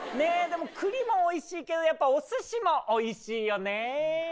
でも栗もおいしいけどやっぱお寿司もおいしいよね。